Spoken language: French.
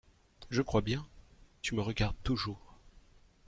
Je crois bien ! tu me regardes toujours.